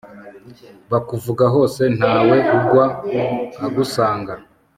bakuvuga hose, ntawe ugwa agusanga